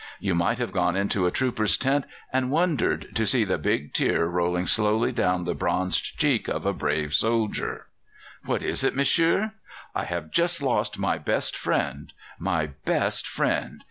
You might have gone into a trooper's tent and wondered to see the big tear rolling slowly down the bronzed cheek of a brave soldier. "What is it, m'sieur? I have just lost my best friend my best friend.